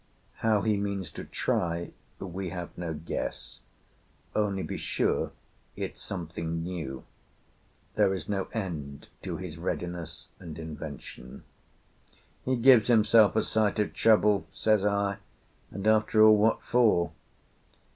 How he means to try we have no guess; only be sure, it's something new. There is no end to his readiness and invention." "He gives himself a sight of trouble," says I. "And after all, what for?"